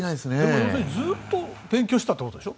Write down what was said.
要するにずっと勉強してたってことでしょ？